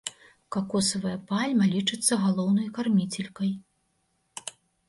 Какосавая пальма лічыцца галоўнай карміцелькай.